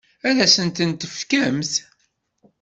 Ad asent-tent-tefkemt?